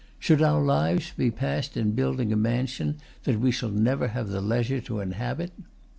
Should our lives be passed in building a mansion that we shall never have leisure to inhabit?